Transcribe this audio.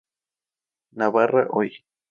Navarra Hoy.